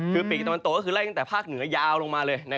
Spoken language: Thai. คือปีกตะวันตกก็คือไล่ตั้งแต่ภาคเหนือยาวลงมาเลย